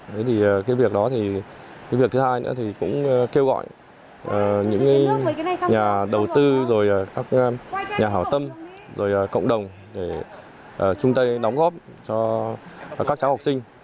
thế thì cái việc đó thì cái việc thứ hai nữa thì cũng kêu gọi những nhà đầu tư rồi các nhà hảo tâm rồi cộng đồng để chung tay đóng góp cho các cháu học sinh